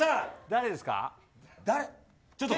誰ですか。